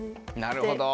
なるほど。